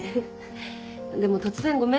でも突然ごめんね。